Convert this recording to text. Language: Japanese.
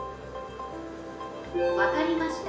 「分かりました。